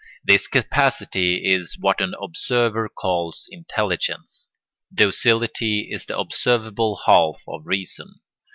This capacity is what an observer calls intelligence; docility is the observable half of reason.